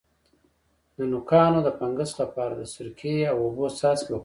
د نوکانو د فنګس لپاره د سرکې او اوبو څاڅکي وکاروئ